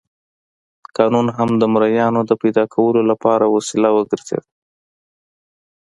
قانون هم د مریانو د پیدا کولو لپاره وسیله وګرځېده.